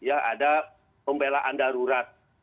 ada pembelaan darurat